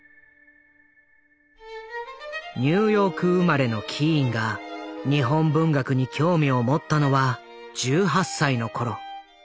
ニューヨーク生まれのキーンが日本文学に興味を持ったのは１８歳の頃。